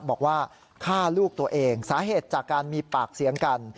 บอกว่าฆ่าลูกตัวเองสาเหตุจากการมีปากเสียงกัน